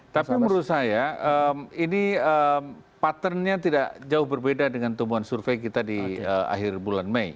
tapi menurut saya ini patternnya tidak jauh berbeda dengan tumbuhan survei kita di akhir bulan mei